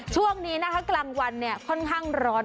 ช่วงนี้นะคะกลางวันค่อนข้างร้อน